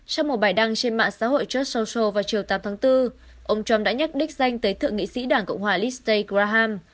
trong một bài đăng trên mạng xã hội charts solso vào chiều tám tháng bốn ông trump đã nhắc đích danh tới thượng nghị sĩ đảng cộng hòa liste graham